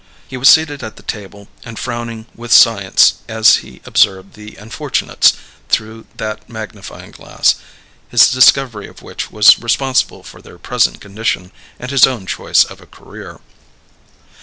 He was seated at the table and frowning with science as he observed the unfortunates through that magnifying glass, his discovery of which was responsible for their present condition and his own choice of a career.